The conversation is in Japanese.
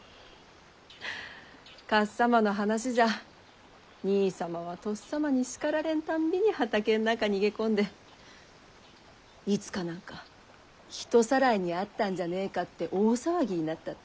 かっさまの話じゃ兄さまはとっさまに叱られるたんびに畑ん中逃げ込んでいつかなんか人さらいに遭ったんじゃねぇかって大騒ぎになったって。